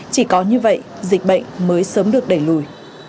chỉ có như vậy dịch bệnh mới sớm được đẩy lùi